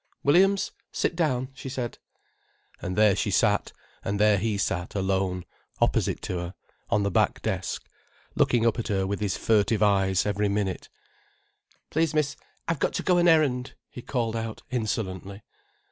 "Williams, sit down," she said. And there she sat, and there he sat, alone, opposite to her, on the back desk, looking up at her with his furtive eyes every minute. "Please, miss, I've got to go an errand," he called out insolently.